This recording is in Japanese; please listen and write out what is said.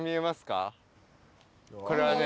これはね